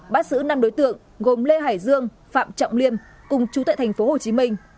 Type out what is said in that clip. bắt giữ năm đối tượng gồm lê hải dương phạm trọng liêm cùng chú tại thành phố hồ chí minh